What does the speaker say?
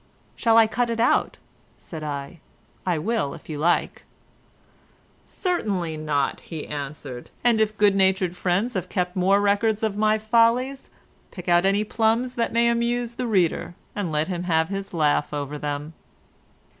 "Shall I cut it out?" said I, "I will if you like." "Certainly not," he answered, "and if good natured friends have kept more records of my follies, pick out any plums that may amuse the reader, and let him have his laugh over them."